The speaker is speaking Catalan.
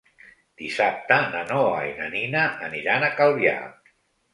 Dissabte na Noa i na Nina aniran a Calvià.